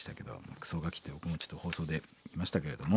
クソガキって僕もちょっと放送で言いましたけれども。